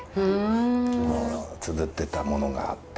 つづってたものがあって。